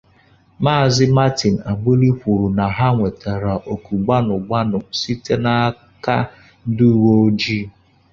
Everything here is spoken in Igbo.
Maazị Martin Agbili kwùrù na ha nwètàrà òkù gbanụgbanụ site n'aka ndị uwe ojii